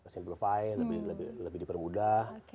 simplify lebih dipermudah